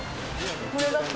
これが、腰。